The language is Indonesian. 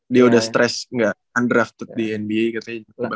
dia udah stress gak undrafted di nba katanya